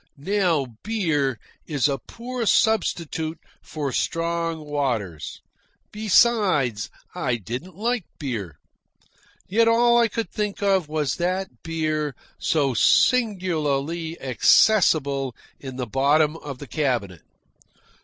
Now beer is a poor substitute for strong waters: besides, I didn't like beer, yet all I could think of was that beer so singularly accessible in the bottom of the cabinet.